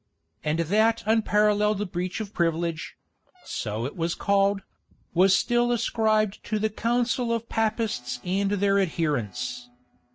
And that unparalleled breach of privilege so it was called was still ascribed to the counsel of Papists and their adherents.